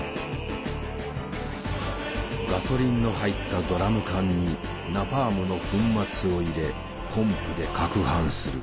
ガソリンの入ったドラム缶にナパームの粉末を入れポンプで撹拌する。